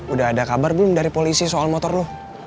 udah ada kabar belum dari polisi soal motor tuh